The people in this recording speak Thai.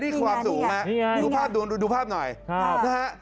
นี่ความสูงดูภาพหน่อยครับ